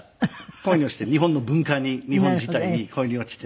恋に落ちて日本の文化に日本自体に恋に落ちて。